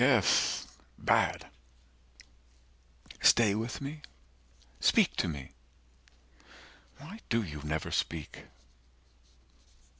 Yes, bad. Stay with me. Speak to me. Why do you never speak?